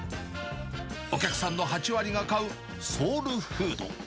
お客さんの８割が買うソウルフード。